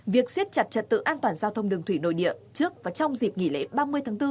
việc siết chặt trật tự an toàn giao thông đường thủy nội địa trước và trong dịp nghỉ lễ ba mươi tháng bốn